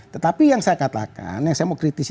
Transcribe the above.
tetapi yang saya katakan yang saya mau kritisi